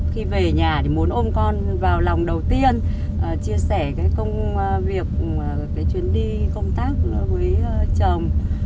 khi về nhà thì muốn ôm con vào lòng đầu tiên chia sẻ cái công việc cái chuyến đi công tác với chồng